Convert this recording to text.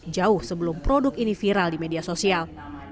jauh sebelum produk ini viral di media sosial